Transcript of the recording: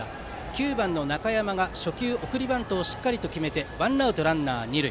９番、中山が初球送りバントを決めてワンアウトランナー、二塁。